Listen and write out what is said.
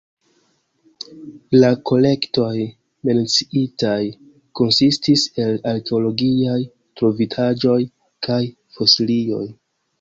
La kolektoj menciitaj konsistis el arkeologiaj trovitaĵoj kaj fosilioj.